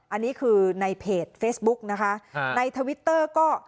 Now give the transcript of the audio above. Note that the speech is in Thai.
อันนี้คือในเพจเฟซบุ๊กนะคะในทวิตเตอร์ก็